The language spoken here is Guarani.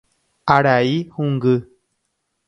Arai hũngy